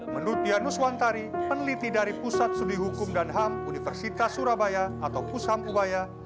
menurut dianus wantari peneliti dari pusat studi hukum dan ham universitas surabaya atau kusam ubaya